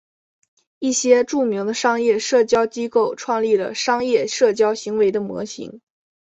一些著名的商业社交机构创立了商业社交行为的模型。